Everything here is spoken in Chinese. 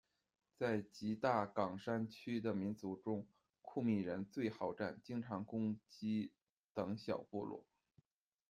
在吉大港山区的民族中，库米人最好战，经常攻击等小部族。